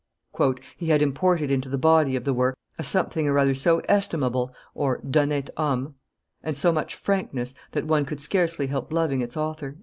"He had imported into the body of the work a something or other so estimable (d'honnete homme), and so much frankness, that one could scarcely help loving its author."